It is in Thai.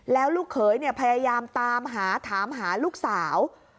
แล้วลูกเขยพยายามตามหาถามหาลูกสาว